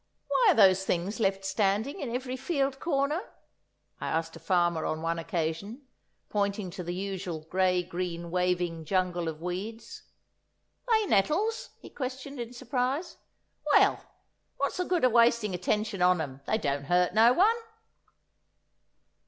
"Why are those things left standing in every field corner?" I asked a farmer on one occasion, pointing to the usual grey green waving jungle of weeds. "They nettles?" he questioned, in surprise; "well, what's the good of wasting attention on 'em? They don't hurt no one!"